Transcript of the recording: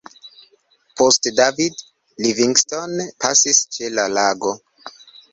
Poste David Livingstone pasis ĉe la lago.